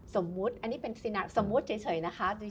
สมมติอันนี้เป็นสินาเรียล